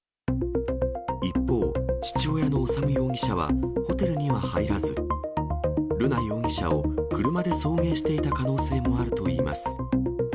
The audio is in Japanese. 一方、父親の修容疑者はホテルには入らず、瑠奈容疑者を車で送迎していた可能性もあるといいます。